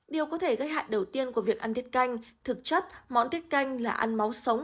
điều có thể gây hại đầu tiên của việc ăn tiết canh thực chất món tiết canh là ăn máu sống